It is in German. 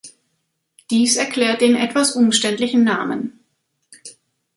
Dies erklärt den etwas umständlichen Namen.